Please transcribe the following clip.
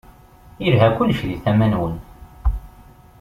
Yelha kullec di tama-nwen.